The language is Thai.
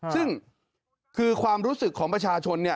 ซึ่งคือความรู้สึกของประชาชนเนี่ย